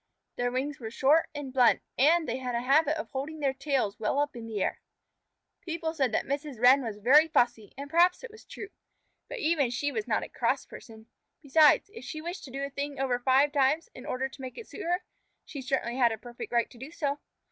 Their wings were short and blunt, and they had a habit of holding their tails well up in the air. People said that Mrs. Wren was very fussy, and perhaps it was true, but even then she was not a cross person. Besides, if she wished to do a thing over five times in order to make it suit her, she certainly had a perfect right to do so.